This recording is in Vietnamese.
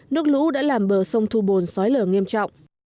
nước lũ đã làm bờ sông thu bồn xói lở nghiêm trọng